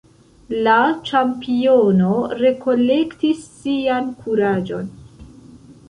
La ĉampiono rekolektis sian kuraĝon.